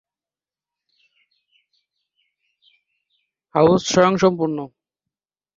প্রত্যেকটি হাউস স্বয়ংসম্পূর্ণ।